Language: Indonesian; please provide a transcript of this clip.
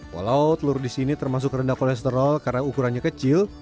walau telur di sini termasuk rendah kolesterol karena ukurannya kecil